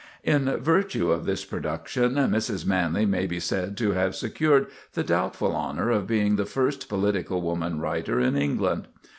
In virtue of this production Mrs. Manley may be said to have secured the doubtful honor of being the first political woman writer in England.